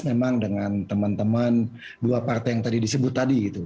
memang dengan teman teman dua partai yang tadi disebut tadi gitu